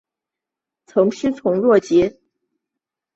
曾师从斯多噶哲学学派始祖芝诺。